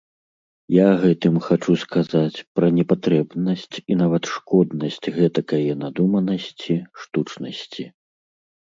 Я гэтым хачу сказаць пра непатрэбнасць і нават шкоднасць гэтакае надуманасці, штучнасці.